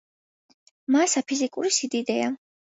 მასა ფიზიკური სიდიდეა.